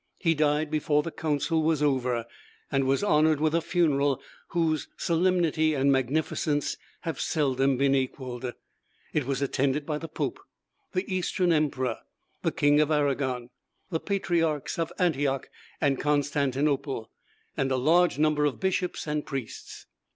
He died before the council was over, and was honored with a funeral whose solemnity and magnificence have seldom been equaled. It was attended by the Pope, the Eastern Emperor, the King of Aragon, the patriarchs of Antioch and Constantinople, and a large number of bishops and priests.